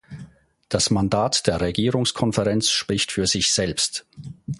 Das Mandat der Regierungskonferenz spricht für sich selbst.